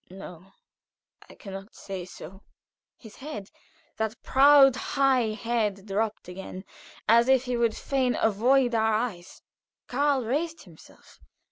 "No; I can not say so." His head that proud, high head dropped again, as if he would fain avoid our eyes. Karl raised himself.